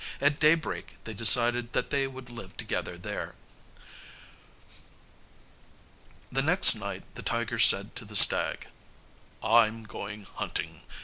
At daybreak they decided that they would live together there. The next night the tiger said to the stag, "I'm going hunting.